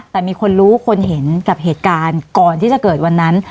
แต่มีคนรู้คนเห็นกับเหตุการณ์ก่อนที่จะเกิดวันนั้น